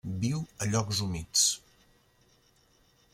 Viu a llocs humits.